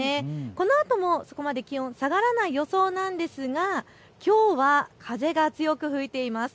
このあともそこまで気温下がらない予想なんですがきょうは風が強く吹いています。